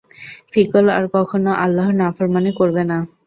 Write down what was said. কিফল আর কখনও আল্লাহর নাফরমানী করবে না।